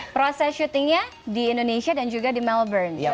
proses syutingnya di indonesia dan juga di melbourne